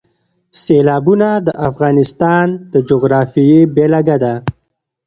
سیلابونه د افغانستان د جغرافیې بېلګه ده.